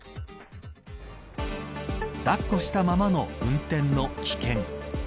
抱っこしたままの運転の危険。